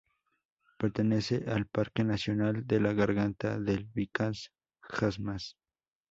Pertenece al Parque Nacional de la Garganta del Bicaz-Hasmaș.